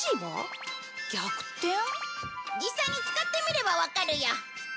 実際に使ってみればわかるよ。